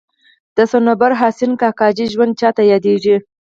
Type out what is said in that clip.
د صنوبر حسین کاکاجي ژوند چاته یادېږي.